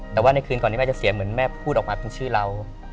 แต่ว่าในคืนก่อนนี้แม่จะเสียเหมือนแม่พูดออกมาเป็นชื่อเรา